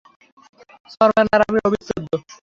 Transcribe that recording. Superman আর আমি অবিচ্ছেদ্য।